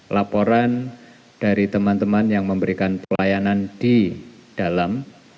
laporan dari teman teman yang memberikan pelayanan di dalam